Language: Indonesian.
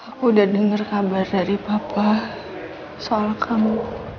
aku udah dengar kabar dari papa soal kamu